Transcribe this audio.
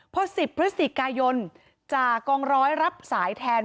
พอ๑๐พฤศจิกายนจากกองร้อยรับสายแทน